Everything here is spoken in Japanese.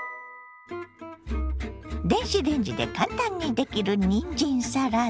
電子レンジで簡単にできるにんじんサラダ。